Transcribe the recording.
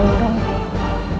yang ditemukan di rumah nino